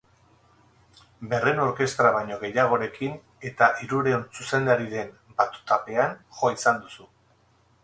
Berrehun orkestra baino gehiagorekin eta hirurehun zuzendariren batutapean jo izan duzu.